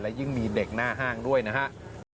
ยิ่งมีเด็กหน้าห้างด้วยนะครับ